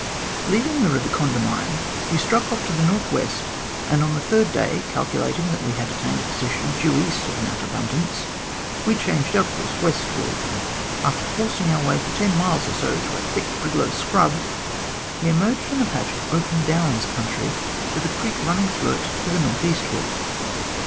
Leaving the Eiver Condamine, we struck off to the north west, and on the third day, calculating that we had attained a position due east of Mount Abundance, we changed our course westward, and after forcing our way for ten miles or so through a thick briggalow scrub, we emerged on a patch of open downs country, with a creek running through it to the north eastward.